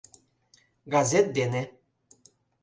Газет дене.